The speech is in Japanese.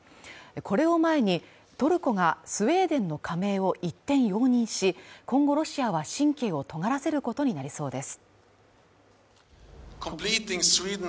これを前に、トルコがスウェーデンの加盟を一転容認し、今後ロシアは神経をとがらせることになりそうです。